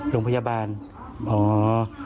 โรงพยาบาลครับโรงพยาบาล